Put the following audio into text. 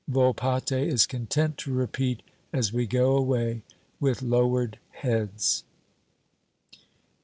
Volpatte is content to repeat as we go away with lowered heads.